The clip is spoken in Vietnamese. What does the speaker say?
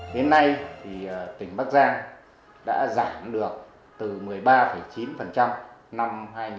đến nay thì tỉnh bắc giang đã giảm được từ một mươi ba chín năm hai nghìn một mươi bảy